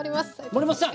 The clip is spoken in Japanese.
守本さん！